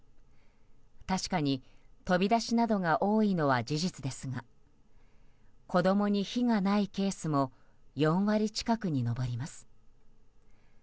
確かに、飛び出しなどが多いのは事実ですが子供に非がないケースも４割近くに上ります。